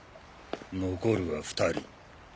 残るは２人。